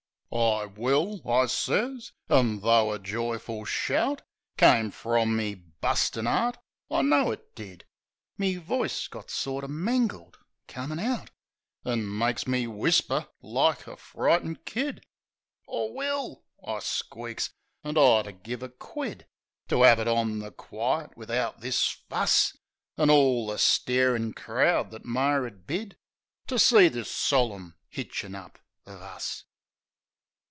"I will," I sez. An' tho' a joyful shout Come from me bustin' 'eart — I know it did — Me voice got sorter mangled comin' out. An' makes me whisper like a frightened kid. "I will," I squeaks. An' I'd 'a' give a quid To 'ad it on the quite, wivout this fuss, An' orl the starin' crowd that Mar 'ad bid To see this solim hitchin' up of us.